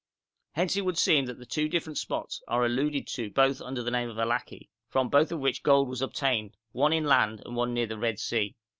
Hence it would seem that two different spots are alluded to both under the name of Allaki, from both of which gold was obtained, one inland and one near the Red Sea.